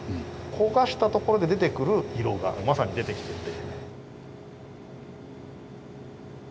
焦がしたところで出てくる色がまさに出てきてて。